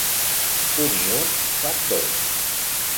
Un i un fan dos.